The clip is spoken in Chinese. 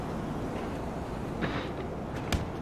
常与另一种有序的线性资料集合伫列相提并论。